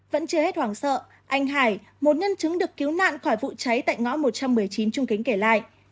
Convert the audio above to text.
vẫn chưa hết hoảng sợ anh hải một nhân chứng được cứu nạn khỏi vụ cháy tại ngõ một trăm một mươi chín trung kính kể lại